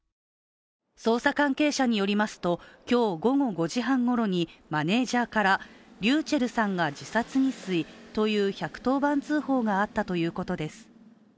捜査関係者によりますと、今日午後５時半ごろにマネージャーからｒｙｕｃｈｅｌｌさんが自殺未遂という１１０番通報があったということです。